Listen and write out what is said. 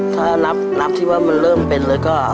ถ้านับที่ว่ามันเริ่มเป็นเลยก็